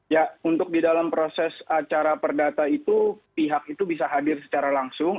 ya untuk di dalam proses acara perdata itu pihak itu bisa hadir secara langsung